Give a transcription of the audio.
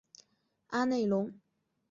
阿内龙。